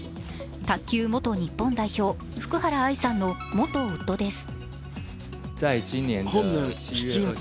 卓球元日本代表・福原愛さんの元夫です。